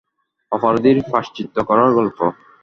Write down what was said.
অপরাধীর প্রায়শ্চিত্ত করার গল্প।